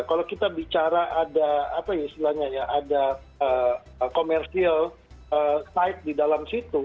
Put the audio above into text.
kalau kita bicara ada apa ya istilahnya ya ada komersial site di dalam situ